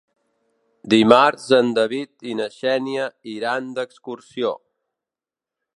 Dimarts en David i na Xènia iran d'excursió.